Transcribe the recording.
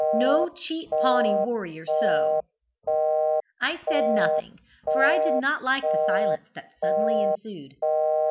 No cheat Pawnee warrior so!' "I said nothing, for I did not like the silence that suddenly ensued.